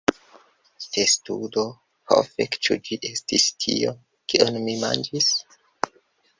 Testudo: "Ho fek, ĉu ĝi estis tio, kion mi manĝis?"